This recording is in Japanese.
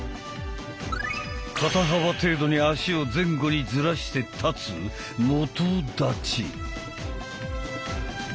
肩幅程度に足を前後にずらして立つ「基立ち」。